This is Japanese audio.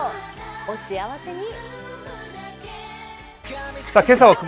お幸せに。